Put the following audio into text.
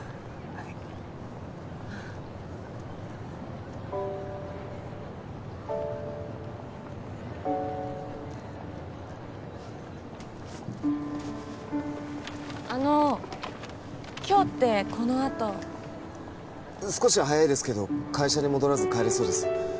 はいあの今日ってこのあと少し早いですけど会社に戻らず帰れそうです